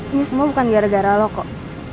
ini semua bukan gara gara lo kok